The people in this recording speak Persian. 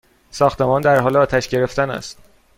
ساختمان در حال آتش گرفتن است!